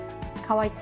かわいい！